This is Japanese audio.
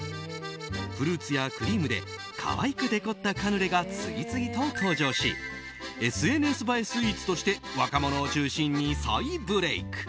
フルーツやクリームで可愛くデコったカヌレが次々と登場しＳＮＳ映えスイーツとして若者を中心に再ブレーク！